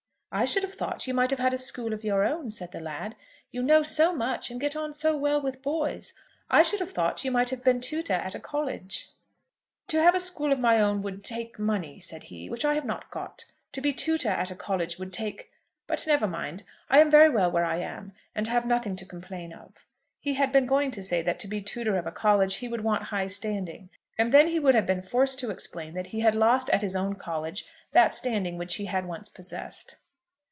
"I should have thought you might have had a school of your own," said the lad. "You know so much, and get on so well with boys. I should have thought you might have been tutor at a college." "To have a school of my own would take money," said he, "which I have not got. To be tutor at a college would take But never mind. I am very well where I am, and have nothing to complain of." He had been going to say that to be tutor of a college he would want high standing. And then he would have been forced to explain that he had lost at his own college that standing which he had once possessed.